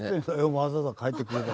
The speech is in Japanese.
わざわざ書いてくれた。